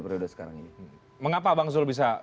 periode sekarang ini mengapa bang zul bisa